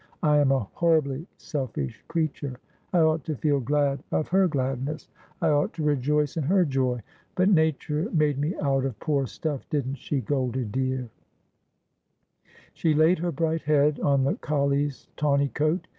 I am a horribly selfish creature. I ought to feel glad of her gladness •' God wote that Worldly Joy is sone Ago.' 99 I ought to rejoice in her joy. But Nature made me out of poor stuff, didn't she, Goldie dear ?' She laid her bright head on the collie's tawny coat.